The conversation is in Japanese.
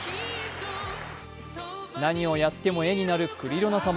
何をやっても絵になるクリロナ様。